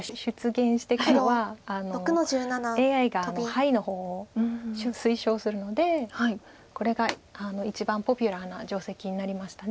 ＡＩがハイの方を推奨するのでこれが一番ポピュラーな定石になりました。